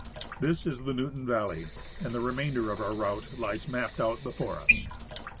This is the Newton valley, and the remainder of our route lies mapped out before us.